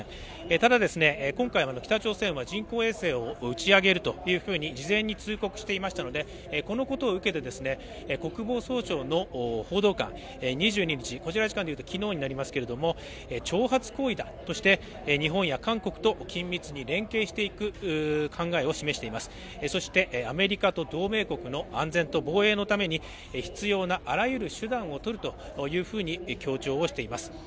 ただ、今回、北朝鮮は人工衛星を打ち上げると事前に通告していましたのでこのことを受けて国防総省の報道官２２日、こちらの時間で言うと昨日になりますけれども、挑発行為だとして日本や韓国と緊密に連携していく考を示しています、そしてアメリカと同盟国の安全と防衛のために必要なあらゆる手段をとるというふうに強調をしています。